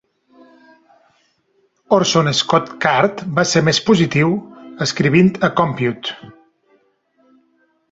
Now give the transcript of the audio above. Orson Scott Card va ser més positiu, escrivint a Compute!